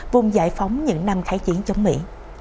vùng giải phóng những năm khái chiến chống mỹ